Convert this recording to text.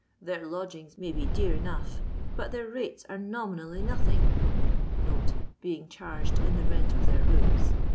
Their lodgings may be dear enough, but their rates are nominally nothing" (being charged in the rent of their rooms).